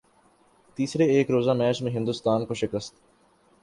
تیسرے ایک روزہ میچ میں ہندوستان کو شکست